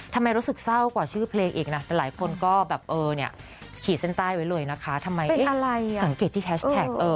ทำไมรู้สึกเศร้ากว่าชื่อเพลงอีกนะแต่หลายคนก็แบบเออเนี่ยขีดเส้นใต้ไว้เลยนะคะทำไมสังเกตที่แฮชแท็ก